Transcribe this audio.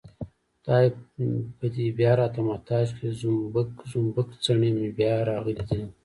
خدای به دې بيا راته محتاج کړي زومبک زومبک څڼې مې بيا راغلي دينه